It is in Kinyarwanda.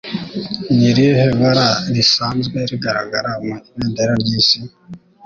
Ni irihe bara risanzwe rigaragara mu ibendera ry'isi?